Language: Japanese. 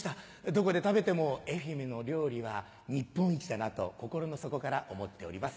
どこで食べても愛媛の料理は日本一だなと心の底から思っております。